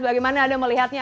bagaimana anda melihatnya